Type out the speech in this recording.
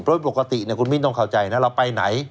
โดยปกติคุณมิ้นต้องเข้าใจนะเราไปไหน